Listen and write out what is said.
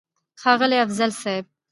ښاغلی افضل صيب!!